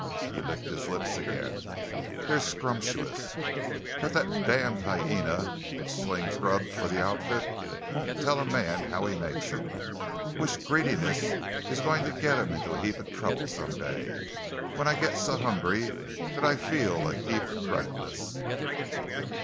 (He licked his lips again.) "They're scrumptuous. But that damned hyena which slings grub for the outfit won't tell a man how he makes 'em, which greediness is goin' to git him into a heap of trouble some day—when I git so hungry that I feel a heap reckless!"